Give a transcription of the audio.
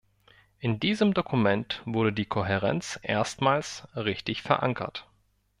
In diesem Dokument wurde die Kohärenz erstmals richtig verankert.